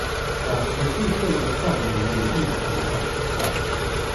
把十四歲的少年演繹的很好